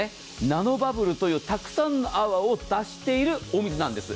ナノバブルというたくさんの泡を出しているお水なんです。